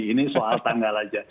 ini soal tanggal aja